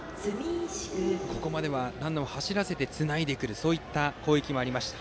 ここまではランナーを走らせてつないでくるそういった攻撃もありました。